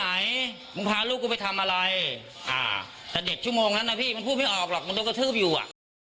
อ่าแต่เด็กชั่วโมงนั้นน่ะพี่มันพูดไม่ออกหรอกมันต้องกระทืบอยู่อ่ะ